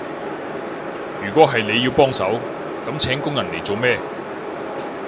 如果係要你幫手，噉請工人嚟做咩？